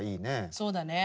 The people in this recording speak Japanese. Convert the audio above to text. そうだね。